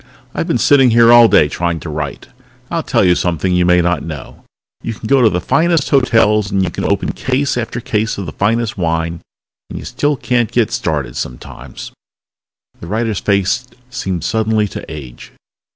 "I've been sitting here all day trying to write. I'll tell you something you may not know you can go to the finest hotels, and you can open case after case of the finest wine, and you still can't get started sometimes." The writer's face seemed suddenly to age.